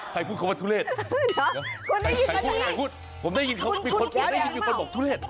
ใครพูดเขาว่าทุเรศมีคนบอกว่าทุเรศ